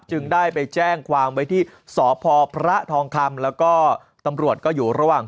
จึงได้ไปแจ้งความไว้ที่สพพระทองคำแล้วก็ตำรวจก็อยู่ระหว่าง